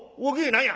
何や？」。